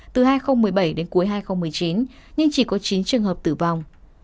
từ hai nghìn một mươi bảy đến cuối hai nghìn một mươi chín nhưng chỉ có chín trường hợp tử vong